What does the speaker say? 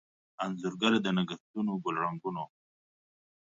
انځورګر دنګهتونوګل رنګونو